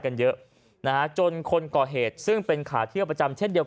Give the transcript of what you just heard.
กันเยอะนะฮะจนคนก่อเหตุซึ่งเป็นขาเที่ยวประจำเช่นเดียว